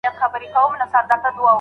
هغې خپل خاوند هيڅکله نه دی ځورولی.